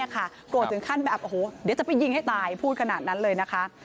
โกรธถึงขั้นแบบโอ้โหเดี๋ยวจะไปยิงให้ตายพูดขนาดนั้นเลยนะคะ